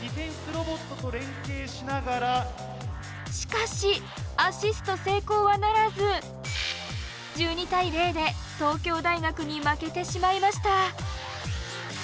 しかしアシスト成功はならず１２対０で東京大学に負けてしまいました。